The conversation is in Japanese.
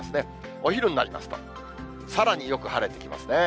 お昼になりますと、さらによく晴れてきますね。